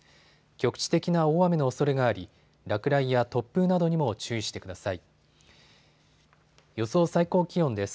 局地的な大雨のおそれがあり落雷や突風などにも注意してください。